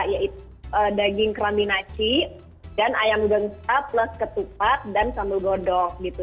yaitu daging krami naci dan ayam gengsa plus ketupat dan sambal godok gitu